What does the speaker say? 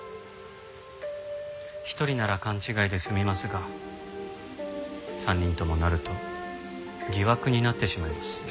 １人なら勘違いで済みますが３人ともなると疑惑になってしまいます。